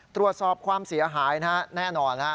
ตรวจสอบความเสียหายนะฮะแน่นอนฮะ